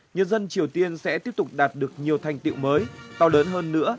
nhân dân triều tiên sẽ tiếp tục đạt được nhiều thành tiệu mới to lớn hơn nữa